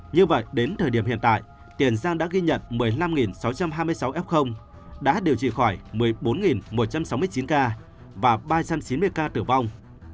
như vậy đến thời điểm hiện tại tiền giang đã ghi nhận một mươi năm sáu trăm hai mươi sáu f đã điều trị khỏi một mươi bốn một trăm sáu mươi chín ca và ba trăm chín mươi ca tử vong